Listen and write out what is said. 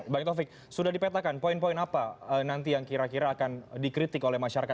bang taufik sudah dipetakan poin poin apa nanti yang kira kira akan dikritik oleh masyarakat